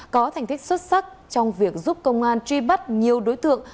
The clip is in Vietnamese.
có thành tích xuất sắc trong việc giúp công an truy bắt nhiều đối tượng